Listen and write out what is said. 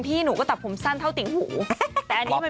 พี่หนูก็ตัดผมสั้นเท่าติดอยู่อยนิหา